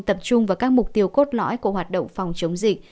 tập trung vào các mục tiêu cốt lõi của hoạt động phòng chống dịch